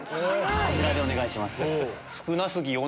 こちらでお願いします。